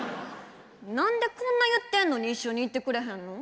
何でこんな言ってんのに一緒に行ってくれへんの？